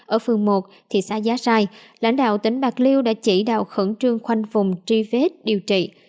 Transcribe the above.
ở phương một thị xã giá rai lãnh đạo tỉnh bạc liêu đã chỉ đạo khẩn trương khoanh vùng tri vết điều trị